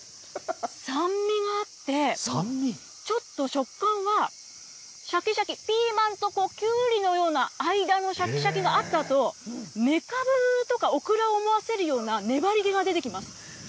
酸味があって、ちょっと食感は、しゃきしゃき、ピーマンとかキュウリのようなような間のしゃきしゃきがあったあと、めかぶとか、オクラを思わせるような粘り気が出てきます。